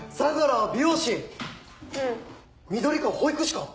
緑川は保育士か？